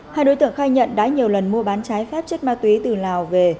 hai đối tượng khai nhận đã nhiều lần mua bán trái phép chất ma túy từ lào về